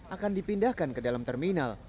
akan dipindahkan ke dalam terminal